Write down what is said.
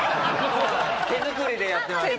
手作りでやってます。